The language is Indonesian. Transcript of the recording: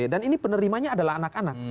dan ini penerimanya adalah anak anak